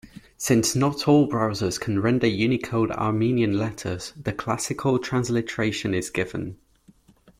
"Since not all browsers can render Unicode Armenian letters, the classical transliteration" is given.